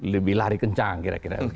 lebih lari kencang kira kira